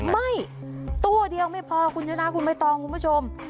้ตัวเดียวไม่พอคุณชนะคุณใบตองคุณผู้ชม